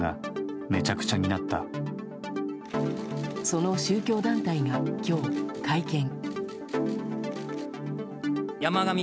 その宗教団体が今日、会見。